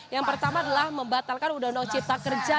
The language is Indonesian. yang pertama adalah membatalkan undang undang cipta kerja